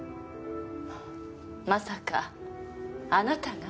まさかあなたが？